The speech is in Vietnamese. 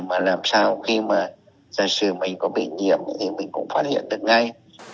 thì mà làm sao khi mà dân sự mình có bị nhiễm thì mình cũng phát hiện được ngay